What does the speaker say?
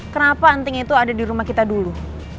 kenapa anting itu ada di rumah kita dulu